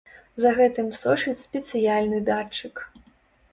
За гэтым сочыць спецыяльны датчык.